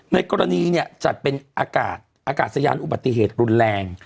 ในกรณีเนี่ยจัดเป็นอากาศอากาศยานอุบัติเหตุรุนแรง